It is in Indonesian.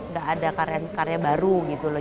gak ada karya karya baru gitu loh